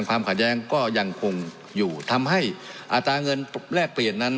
ความขัดแย้งก็ยังคงอยู่ทำให้อัตราเงินแลกเปลี่ยนนั้น